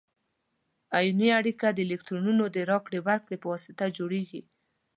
ایوني اړیکه د الکترونونو د راکړې ورکړې په واسطه جوړیږي.